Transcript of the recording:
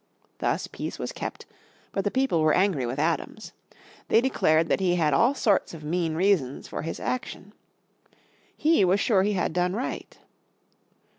Thus peace was kept, but the people were angry with Adams. They declared that he had all sorts of mean reasons for his action. He was sure he had done right.